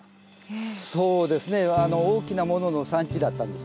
そうですね大きなものの産地だったんです。